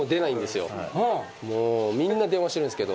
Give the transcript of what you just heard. もうみんな電話してるんですけど。